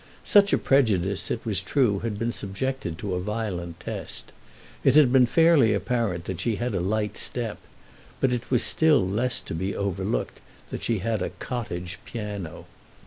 Such a prejudice, it was true, had been subjected to a violent test; it had been fairly apparent that she had a light step, but it was still less to be overlooked that she had a cottage piano.